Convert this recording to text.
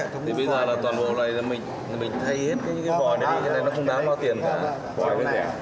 thì bây giờ là toàn bộ này là mình thay hết cái bò này cái này nó không đáng bao tiền cả